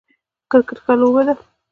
کرکټ ښه لوبه ده